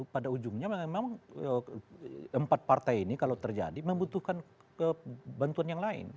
pada ujungnya memang empat partai ini kalau terjadi membutuhkan bantuan yang lain